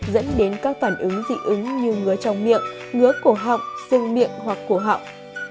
dẫn đến các phản ứng dị ứng như ngứa trong miệng ngứa cổ họng xương miệng hoặc cổ họng